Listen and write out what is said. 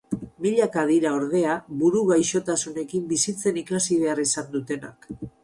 Milaka dira, ordea, buru gaixotasunekin bizitzen ikasi behar izan dutenak.